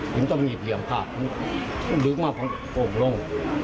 ยังต้องหยิบเหยียงภาพดึกมาพร้อมลง